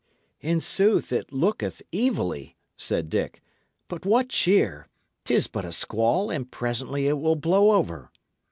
"In sooth, it looketh evilly," said Dick. "But what cheer! 'Tis but a squall, and presently it will blow over."